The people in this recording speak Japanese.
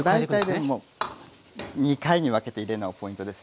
大体でも２回に分けて入れるのがポイントですね。